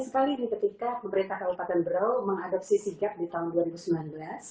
saya bahagia sekali nih ketika pemerintah kelupakan brau mengadopsi sigap di tahun dua ribu sembilan belas